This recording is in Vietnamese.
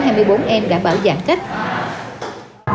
đã bảo giảng cách